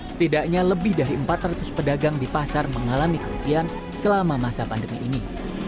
setidaknya lebih dari empat ratus pedagang di pasar mengalami kerugian selama masa pandemi ini